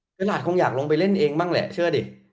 คือหลานคงอยากลงไปเล่นเองบ้างแหละเชื่อดิ